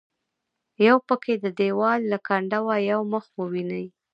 یو پکې د دیواله له کنډوه یو مخ وویني.